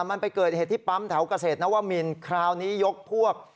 มันไปเกิดเหตุที่ปั๊มแถวเกษตรนวมินคราวนี้ยกพวก